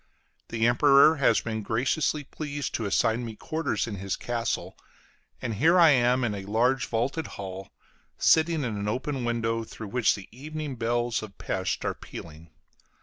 The Emperor has been graciously pleased to assign me quarters in his castle; and here I am in a large vaulted hall, sitting at an open window through which the evening bells of Pesth are pealing.